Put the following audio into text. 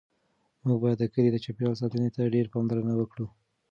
موږ باید د کلي د چاپیریال ساتنې ته ډېره پاملرنه وکړو.